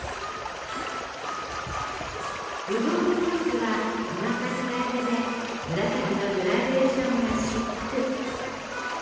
ぶどうのムースは甘さ控えめで紫のグラデーションがシック。